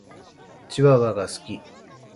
チワワが好き。